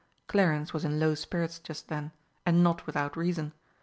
Clarence was in low spirits just then, and not without reason.